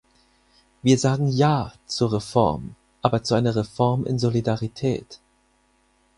Wir sagen "Ja" zur Reform, aber zu einer Reform in Solidarität.